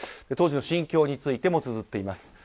当時の心境についてもつづっています。